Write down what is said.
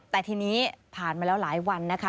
แต่ทีนี้ผ่านมาแล้วหลายวันนะคะ